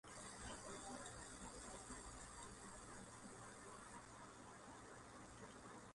যখনই এখানে খেলতে এসেছি, তখনই আমি অনেক অনুপ্রেরণা পেয়েছি।